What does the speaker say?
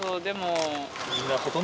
でも。